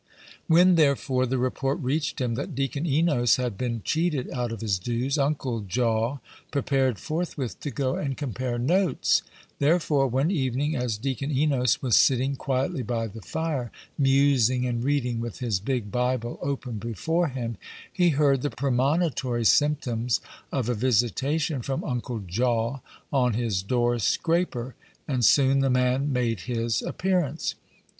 When, therefore, the report reached him that Deacon Enos had been cheated out of his dues, Uncle Jaw prepared forthwith to go and compare notes. Therefore, one evening, as Deacon Enos was sitting quietly by the fire, musing and reading with his big Bible open before him, he heard the premonitory symptoms of a visitation from Uncle Jaw on his door scraper; and soon the man made his appearance.